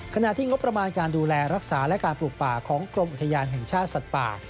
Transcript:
ขณะที่งบประมาณการดูแลรักษาและการปลูกป่าของกรมอุทยานแห่งชาติสัตว์ป่า